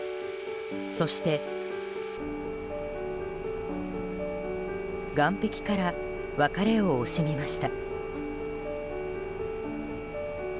そして岸壁から別れを惜しみました。